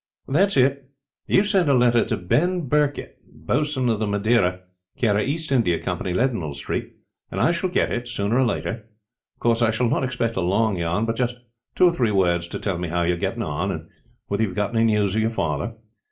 "That is it. You send a letter to Ben Birket, boatswain of the Madeira, care of East India Company, Leadenhall Street; and I shall get it, sooner or later. Of course, I shall not expect a long yarn, but just two or three words to tell me how you are getting on, and whether you have got any news of your father.